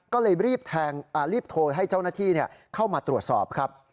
ก็เลยรีบโทรให้เจ้าหน้าที่เข้ามาตรวจสอบครับ